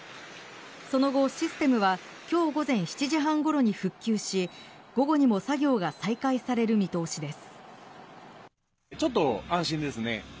その後、システムは今日午前７時半ごろに復旧し午後にも作業が再開される見通しです。